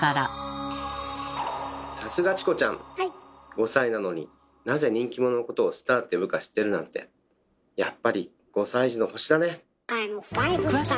５歳なのになぜ人気者のことをスターって呼ぶか知ってるなんてアイムファイブスター。